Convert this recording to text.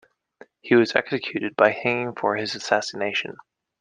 He was executed by hanging for his assassination.